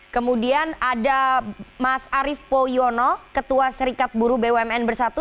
kemudian ada mas arief poyono ketua serikat buru bumn bersatu